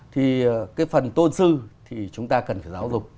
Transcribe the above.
thì cái phần tôn sư thì chúng ta cần phải giáo dục